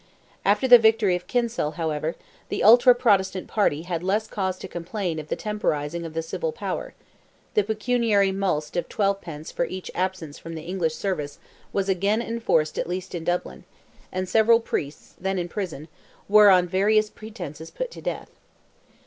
After the victory of Kinsale, however, the Ultra Protestant party had less cause to complain of the temporizing of the civil power; the pecuniary mulct of twelve pence for each absence from the English service was again enforced at least in Dublin, and several priests, then in prison, were, on various pretences, put to death.